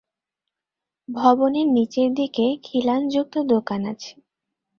ভবনের নিচের দিকে খিলানযুক্ত দোকান আছে।